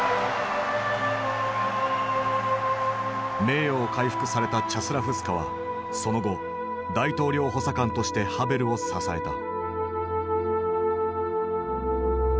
名誉を回復されたチャスラフスカはその後大統領補佐官としてハヴェルを支えた。